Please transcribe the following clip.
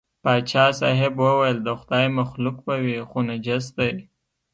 پاچا صاحب وویل د خدای مخلوق به وي خو نجس دی.